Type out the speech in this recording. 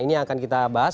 ini yang akan kita bahas